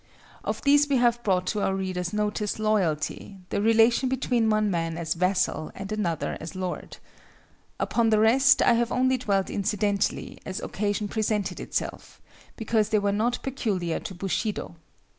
Of these we have brought to our reader's notice, Loyalty, the relation between one man as vassal and another as lord. Upon the rest, I have only dwelt incidentally as occasion presented itself; because they were not peculiar to Bushido.